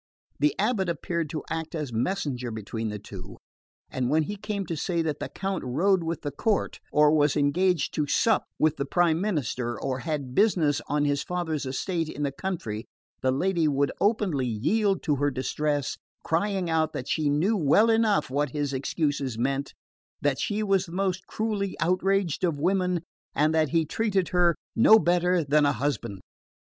The abate appeared to act as messenger between the two, and when he came to say that the Count rode with the court, or was engaged to sup with the Prime Minister, or had business on his father's estate in the country, the lady would openly yield to her distress, crying out that she knew well enough what his excuses meant: that she was the most cruelly outraged of women, and that he treated her no better than a husband.